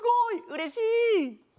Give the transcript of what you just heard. うれしい。